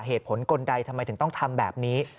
เหตุผลกลใดทำไมถึงต้องทำแบบนี้